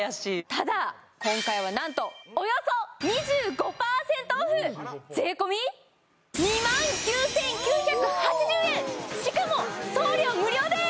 ただ今回はなんとおよそ２５％ＯＦＦ税込２万９９８０円しかも送料無料でーす！